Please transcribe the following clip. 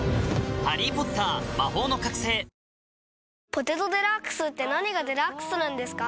「ポテトデラックス」って何がデラックスなんですか？